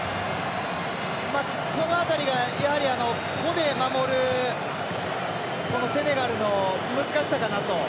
この辺りがやはり個で守るセネガルの難しさかなと。